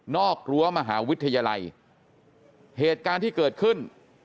กรั้วมหาวิทยาลัยเหตุการณ์ที่เกิดขึ้น